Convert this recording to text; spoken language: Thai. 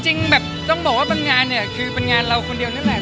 จริงแบบต้องบอกว่าบางงานเนี่ยคือเป็นงานเราคนเดียวนี่แหละ